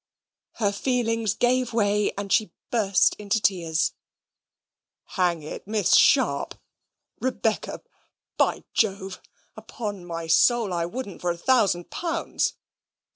Her feelings gave way, and she burst into tears. "Hang it, Miss Sharp Rebecca by Jove upon my soul, I wouldn't for a thousand pounds.